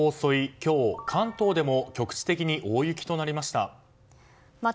今日、関東でも局地的に大雪となりました。